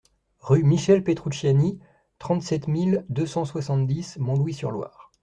Rue Michel Petrucciani, trente-sept mille deux cent soixante-dix Montlouis-sur-Loire